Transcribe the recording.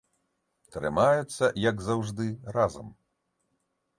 Трымаюцца, як заўжды, разам.